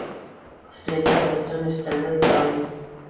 Australia western standard time